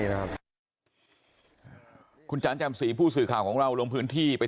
หลังที่เจอกไปทุกท่านสวิถีตลอดที่แผ่นสถานที่